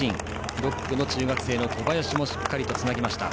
６区の中学生の小林もしっかりとつなぎました。